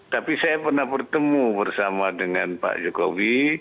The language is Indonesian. tapi saya pernah bertemu bersama dengan pak jokowi